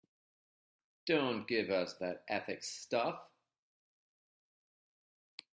Don't give us that ethics stuff.